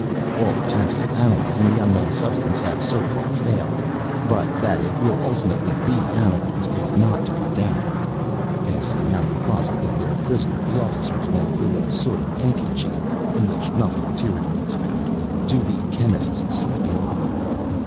All attempts at analyzing the unknown substance have, so far, failed, but that it will ultimately be analyzed, is not to be doubted. Passing out of the closet with their prisoner, the officers went through a sort of ante chamber, in which nothing material was found, to the chemist's sleeping room.